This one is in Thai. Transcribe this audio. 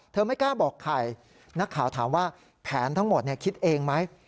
ไม่กล้าบอกใครนักข่าวถามว่าแผนทั้งหมดคิดเองไหม